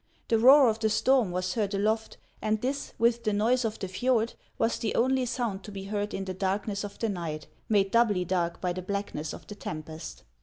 The roar of the storm was heard aloft, and this, with the noise of the fjord, was the only sound to be heard in the darkness of the night, made doubly dark by the blackness of the tempest.